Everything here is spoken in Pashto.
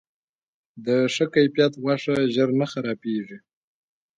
د ښه کیفیت غوښه ژر نه خرابیږي.